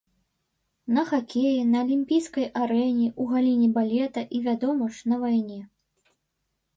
На хакеі, на алімпійскай арэне, у галіне балета і, вядома ж, на вайне.